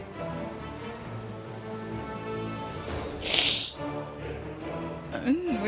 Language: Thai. เขาดี